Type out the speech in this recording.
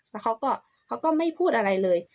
แล้วเขาก็ไม่พูดอะไรเลย